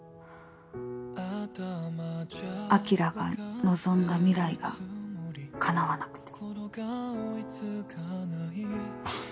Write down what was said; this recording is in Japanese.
晶が望んだ未来がかなわなくて。